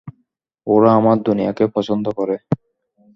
ওরা আমার দুনিয়াকে পছন্দ করে।